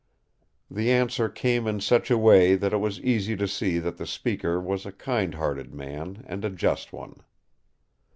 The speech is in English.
The answer came in such a way that it was easy to see that the speaker was a kind hearted man, and a just one.